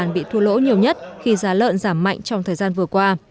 thôn bảy bị thua lỗ nhiều nhất khi giá lợn giảm mạnh trong thời gian vừa qua